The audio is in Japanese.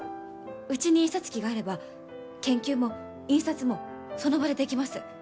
うちに印刷機があれば研究も印刷もその場でできます。